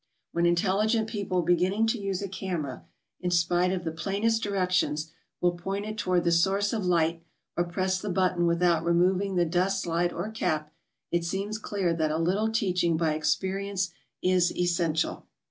When intelligent people beginning to use a camera, in spite of the plainest directions, will point it Toward the source of light, or press the button without re mioving the dust slide or cap, it seeni's clear that a little teach ing by experience is essential.